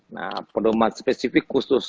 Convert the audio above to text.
nah pendorongan spesifik khusus